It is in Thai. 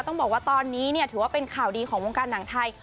ต้องบอกว่าตอนนี้ถือว่าเป็นข่าวดีของวงการหนังไทย